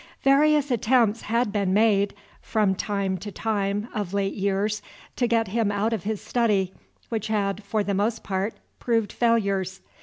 Various attempts had been made, from time to time, of late years, to get him out of his study, which had, for the most part, proved failures.